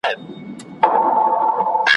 تا ویل د بنده ګانو نګهبان یم `